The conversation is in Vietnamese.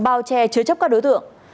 bao che chứa chấp các đối tượng